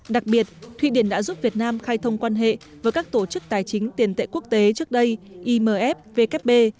đặc biệt thụy điển đã giúp việt nam khai thông quan hệ với các tổ chức tài chính tiền tệ quốc tế trước đây imf vkp